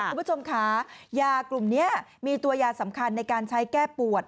คุณผู้ชมค่ะยากลุ่มนี้มีตัวยาสำคัญในการใช้แก้ปวด